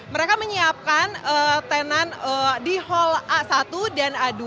mereka menyiapkan tenan di hall a satu dan a dua